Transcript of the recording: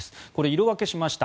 色分けしました。